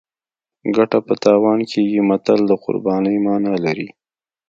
ګټه په تاوان کېږي متل د قربانۍ مانا لري